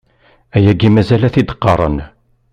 Ayagi mazal a t-id-qqaren.